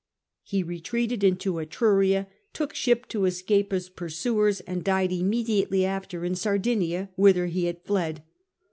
He retreated into Etruria, took ship to escape his pursuers, and died immediately after in Sardinia, whither he had fled.